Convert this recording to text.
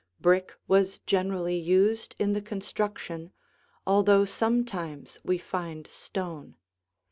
Brick was generally used in the construction, although sometimes we find stone.